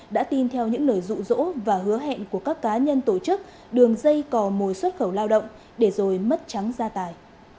đã tin theo những lời rụ rỗ và hứa hẹn của các cá nhân tổ chức đường dây cò mồi xuất khẩu lao động để rồi mất trắng gia tài